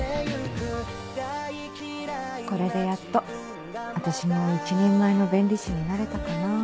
これでやっと私も一人前の弁理士になれたかな。